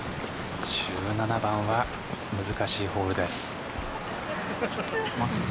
１７番は難しいホールです。